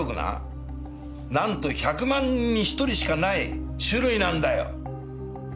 なんと１００万人に１人しかない種類なんだよ。